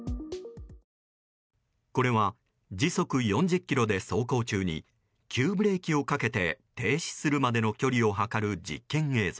これは、時速４０キロで走行中に急ブレーキをかけて停止するまでの距離を測る実験映像。